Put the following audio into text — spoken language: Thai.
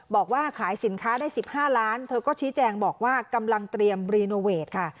บอกว่าขายสินค้าได้๑๕ล้านเธอก็ชี้แจงบอกว่ากำลังเตรียมรีโนเวทค่ะ